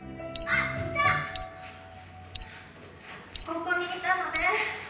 ここにいたのね。